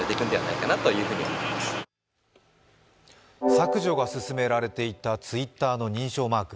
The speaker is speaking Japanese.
削除が進められていたＴｗｉｔｔｅｒの認証マーク。